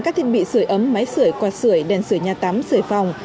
các thiết bị sởi ấm máy sởi quạt sởi đèn sởi nhà tắm sởi phòng